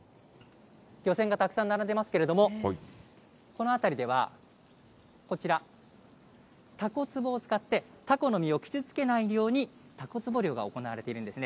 漁船がたくさん並んでますけれども、この辺りでは、こちら、たこつぼを使って、タコの身を傷つけないように、たこつぼ漁が行われているんですね。